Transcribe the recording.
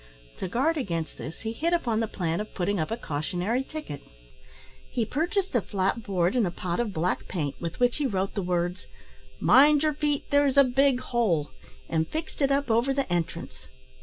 To guard against this he hit upon the plan of putting up a cautionary ticket. He purchased a flat board and a pot of black paint, with which he wrote the words: "MIND YER FEET THARS A BIG HOL," and fixed it up over the entrance.